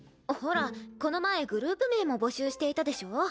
ほらこの前グループ名も募集していたでしょ？